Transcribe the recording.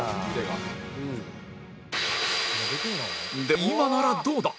で今ならどうだ？